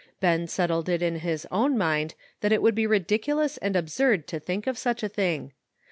Ben settled it in his own mind that it would be ridiculous and absurd to think of such a thing.